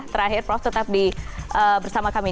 terakhir prof tetap bersama kami